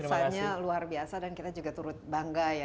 rasanya luar biasa dan kita juga turut bangga ya